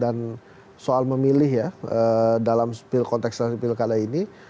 dan soal memilih ya dalam konteks spil kada ini